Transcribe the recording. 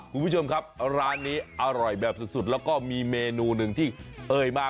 คุณผู้ชมครับร้านนี้อร่อยแบบสุดแล้วก็มีเมนูหนึ่งที่เอ่ยมา